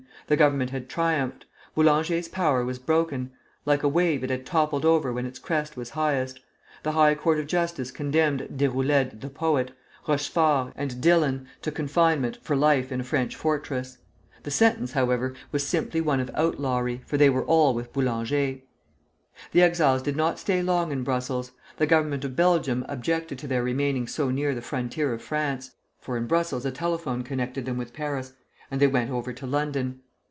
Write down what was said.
The Government had triumphed. Boulanger's power was broken; like a wave, it had toppled over when its crest was highest. The High Court of Justice condemned Deroulède the poet, Rochefort, and Dillon, to confinement for life in a French fortress. The sentence, however, was simply one of outlawry, for they were all with Boulanger. The exiles did not stay long in Brussels. The Government of Belgium objected to their remaining so near the frontier of France, for in Brussels a telephone connected them with Paris, and they went over to London.